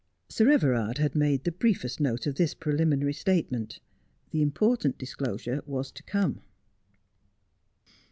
Sir Everard had made the briefest note of this preliminary statement. The important disclosure was to come.